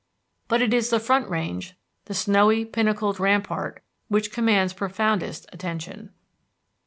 But it is the Front Range, the snowy pinnacled rampart, which commands profoundest attention.